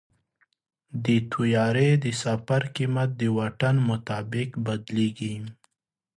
د طیارې د سفر قیمت د واټن مطابق بدلېږي.